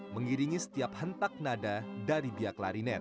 mengiringi setiap hentak nada dari bia klarinet